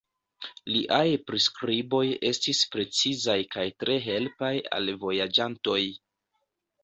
Liaj priskriboj estis precizaj kaj tre helpaj al vojaĝantoj.